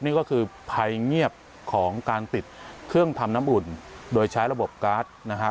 นี่ก็คือภัยเงียบของการติดเครื่องทำน้ำอุ่นโดยใช้ระบบการ์ดนะครับ